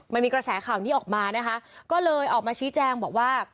มันมีกระแสข่าวนี้ออกมานะคะก็เลยออกมาชี้แจงบอกว่า